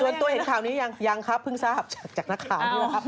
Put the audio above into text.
ส่วนตัวเห็นข่าวนี้ยังครับเพิ่งทราบจากนักข่าวด้วยครับ